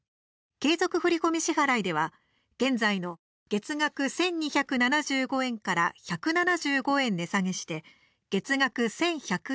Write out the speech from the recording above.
継続振込支払では現在の月額１２７５円から１７５円値下げして月額１１００円となります。